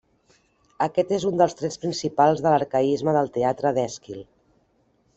Aquest és un dels trets principals de l'arcaisme del teatre d'Èsquil.